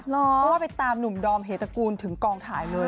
เพราะว่าไปตามหนุ่มดอมเฮตกูลถึงกองถ่ายเลย